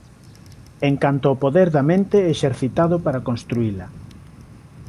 En canto ó poder da mente exercitado para construíla.